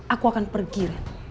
aku akan pergi ren